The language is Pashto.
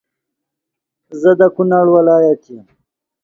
زه د کونړ ولایت یم